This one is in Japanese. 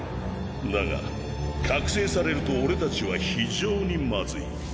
だが覚醒されると俺たちは非常にまずい。